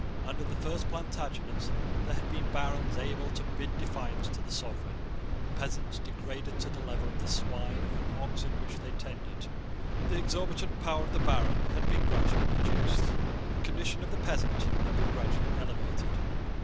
Under the first Plantagenets there had been barons able to bid defiance to the sovereign, and peasants degraded to the level of the swine and oxen which they tended. The exorbitant power of the baron had been gradually reduced. The condition of the peasant had been gradually elevated.